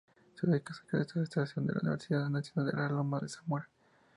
Se ubica cerca de esta estación la Universidad Nacional de Lomas de Zamora.